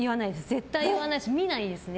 絶対言わないで見ないですね。